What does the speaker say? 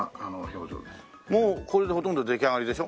もうこれでほとんど出来上がりでしょ？